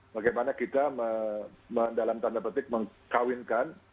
bagaimana kita dalam tanda petik mengkawinkan